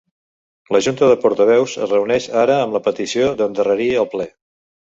La junta del portaveus es reuneix ara amb la petició d’endarrerir el ple.